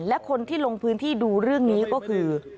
และคนที่ลงพื้นที่ดูเรื่องนี้ก็คือ